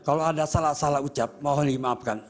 kalau ada salah salah ucap mohon dimaafkan